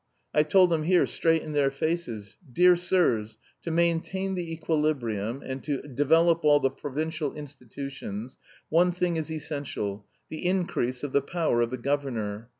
I've told them here straight in their faces: 'Dear sirs, to maintain the equilibrium and to develop all the provincial institutions one thing is essential; the increase of the power of the governor.'